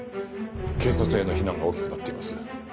警察への非難が大きくなっています。